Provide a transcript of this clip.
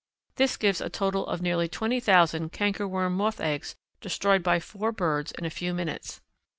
This gives a total of nearly twenty thousand cankerworm moth eggs destroyed by four birds in a few minutes.